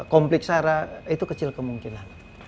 konflik sarah itu kecil kemungkinan